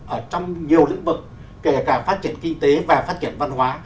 ở trong nhiều lĩnh vực kể cả phát triển kinh tế và phát triển văn hóa